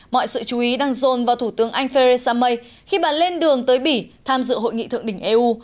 mọi sự chú ý đang rôn vào thủ tướng anh theresa may khi bà lên đường tới bỉ tham dự hội nghị thượng đỉnh eu